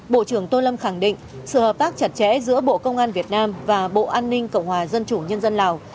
bộ trưởng tô lâm khẳng định sự hợp tác chặt chẽ giữa bộ công an việt nam và bộ an ninh cộng hòa dân chủ nhân dân lào